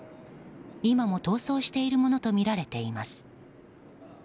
今も逃走しているものとみられています。